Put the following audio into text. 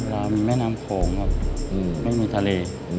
ลาวมีแม่น้ำโขงไม่มีทะเล